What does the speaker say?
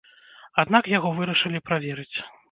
Аднак яго вырашылі праверыць.